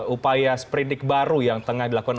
upaya sprindik baru yang tengah dilakukan